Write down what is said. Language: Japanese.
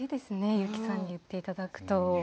由貴さんに見ていただくと。